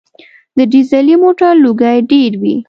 د ډیزلي موټر لوګی ډېر وي.